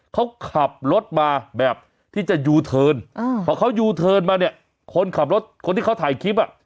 เขาขับรถมาแบบที่จะยูเทิร์นเพราะเขายูเทิร์นมาเนี่ยคนขับรถคนที่เขาถ่ายคลิปอ่ะ